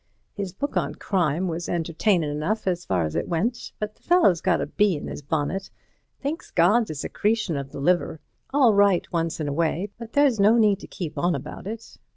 His book on Crime was entertainin' enough as far as it went, but the fellow's got a bee in his bonnet. Thinks God's a secretion of the liver—all right once in a way, but there's no need to keep on about it.